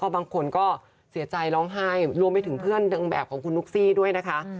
บางคนก็เสียใจร้องไห้รวมไปถึงเพื่อนนางแบบของคุณนุ๊กซี่ด้วยนะคะ